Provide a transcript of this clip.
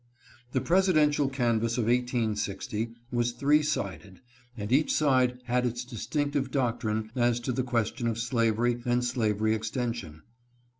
The presidential canvass of 1860 was three sided, and each side had its distinctive doctrine as to the question of slavery and slavery extension.